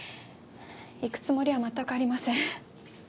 行くつもりは全くありません。